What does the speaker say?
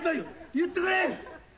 言ってくれ。